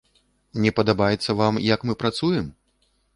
Не падабаецца вам, як мы працуем?